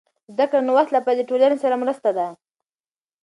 زده کړه د نوښت لپاره د ټولنې سره مرسته ده.